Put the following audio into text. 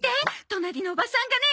隣のおばさんがね